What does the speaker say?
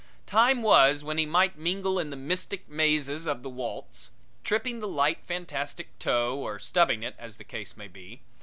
Time was when he might mingle in the mystic mazes of the waltz, tripping the light fantastic toe or stubbing it, as the case may be.